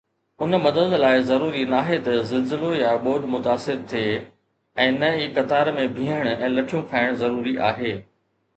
ان مدد لاءِ ضروري ناهي ته زلزلو يا ٻوڏ متاثر ٿئي ۽ نه ئي قطار ۾ بيهڻ ۽ لٺيون کائڻ ضروري آهي.